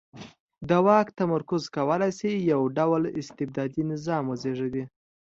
د واک تمرکز کولای شي یو ډ ول استبدادي نظام وزېږوي.